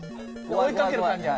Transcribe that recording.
追いかける感じや。